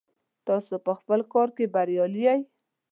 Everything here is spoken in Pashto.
تاسو په خپل کار کې بریالي یئ.